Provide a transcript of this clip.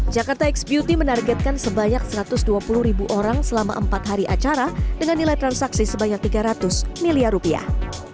jakarta x beauty menargetkan sebanyak satu ratus dua puluh ribu orang selama empat hari acara dengan nilai transaksi sebanyak tiga ratus miliar rupiah